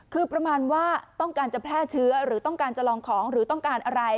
คือประมาณว่าต้องการจะแพร่เชื้อหรือต้องการจะลองของหรือต้องการอะไร